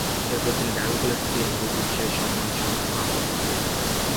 এরপর তিনি ঢাকা কলেজ থেকে ইংরেজি বিষয়ে সম্মানসহ স্নাতক ডিগ্রি লাভ করেন।